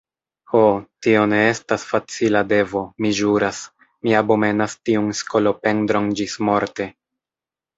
Ho, tio ne estas facila devo, mi ĵuras: mi abomenas tiun skolopendron ĝismorte.